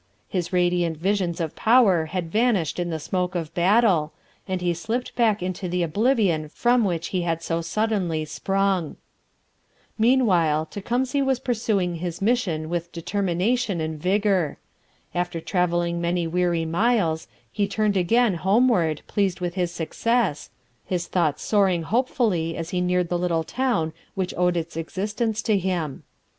His radiant visions of power had vanished in the smoke of battle, and he slipped back into the oblivion from which he had so suddenly sprung. Meanwhile Tecumseh was pursuing his mission with determination and vigour. After travelling many weary miles, he turned again homeward, pleased with his success, his thoughts soaring hopefully as he neared the little town which owed its existence to him.